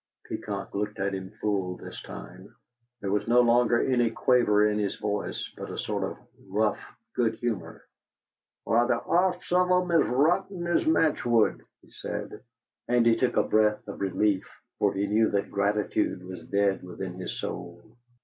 Peacock looked at him full this time; there was no longer any quaver in his voice, but a sort of rough good humour. "Wy, the 'arf o' them's as rotten as matchwood!" he said; and he took a breath of relief, for he knew that gratitude was dead within his soul.